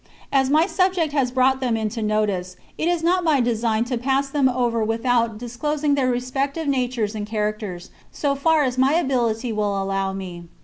As my subject has brought them into notice, it is not my design to pass them over without disclosing their respective natures and characters, so far as my ability will allow me.